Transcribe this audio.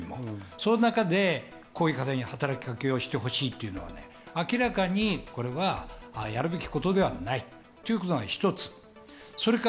その中でこのような働きかけをしてほしいという明らかにこれはやるべきことではないというのが一つ。